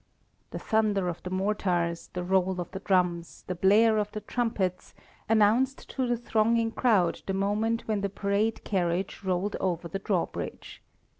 The thunder of the mortars, the roll of the drums, the blare of the trumpets, announced to the thronging crowd the moment when the parade carriage rolled over the drawbridge.